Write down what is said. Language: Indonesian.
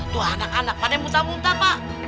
tuh anak anak pada muntah muntah pak